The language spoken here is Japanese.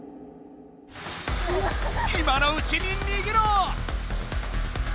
今のうちに逃げろ！